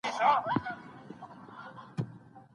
چي ولاړ عالم یې ټول په ننداره سو